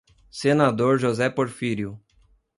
Senador José Porfírio